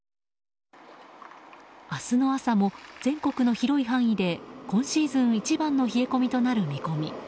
明日の朝も全国の広い範囲で今シーズン一番の冷え込みとなる見込み。